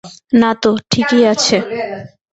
নাতো, ঠিকই আছে।